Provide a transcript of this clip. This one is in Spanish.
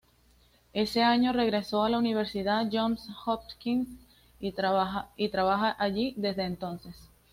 Ese año regresó a la Universidad Johns Hopkins y trabaja allí desde entonces.